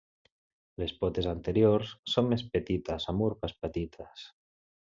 Les potes anteriors són més petites, amb urpes petites.